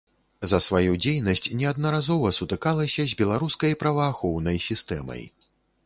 За сваю дзейнасць неаднаразова сутыкалася з беларускай праваахоўнай сістэмай.